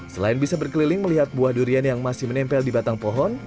selain bisa berkeliling melihat buah durian yang masih menempel di batang pohon